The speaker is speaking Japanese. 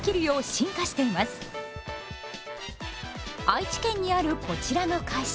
愛知県にあるこちらの会社。